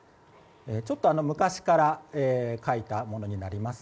ちょっと昔から書いたものになります。